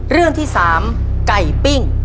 เรื่องที่๓ไก่ปิ้ง